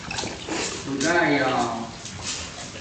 خُدایآ